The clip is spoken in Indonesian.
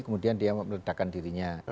kemudian dia meledakkan dirinya